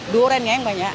duriannya yang banyak